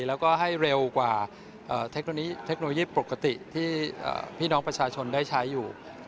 แล้วก็ให้เร็วกว่าเทคโนโลยีปกติที่พี่น้องประชาชนได้ใช้อยู่